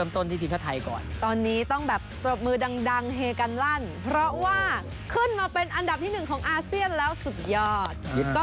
ตอนนี้ต้องจบมือดังเฮกันลั่นเพราะว่าขึ้นมาเป็นอันดับที่หนึ่งของอาเซียนแล้วสุดยอด